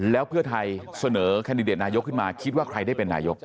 แล้วเพื่อไทยเสนอแคนดิเดตนายกขึ้นมาคิดว่าใครได้เป็นนายก